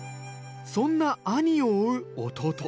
そんな兄を追う弟。